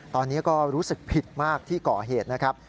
ตอนนี้ก็รู้สึกผิดมากที่ก่อเหตุนะครับ